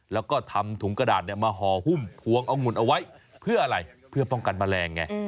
แล้วก็ทำถุงกระดาษมาห่อหุ้มพวงเอาหุ่นเอาไว้เพื่ออะไรเพื่อป้องกันแมลงไง